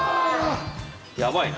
やばいな。